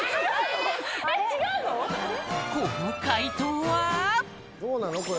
この快答は・どうなのこれ？